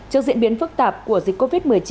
trước diễn biến phức tạp của dịch covid một mươi chín